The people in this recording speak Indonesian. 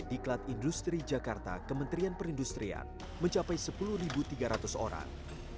di klat industri jakarta kementerian perindustrian mencapai sepuluh tiga ratus orang